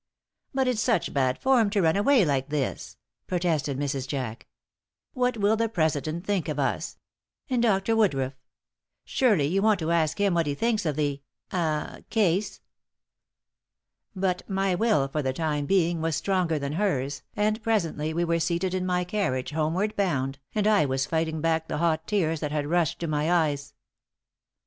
"But it's such bad form to run away like this," protested Mrs. Jack. "What will the president think of us? And Dr. Woodruff! Surely you want to ask him what he thinks of the ah case." But my will for the time being was stronger than hers, and presently we were seated in my carriage, homeward bound, and I was fighting back the hot tears that had rushed to my eyes.